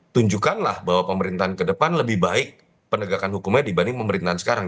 tunjukkanlah bahwa pemerintahan ke depan lebih baik penegakan hukumnya dibanding pemerintahan sekarang